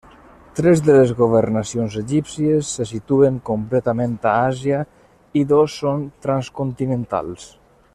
Tres de les governacions egípcies se situen completament a Àsia i dos són transcontinentals.